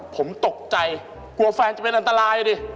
ผมตกใจกลัวแฟนจะเป็นอันตรายดิ